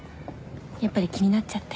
やっぱり気になっちゃって。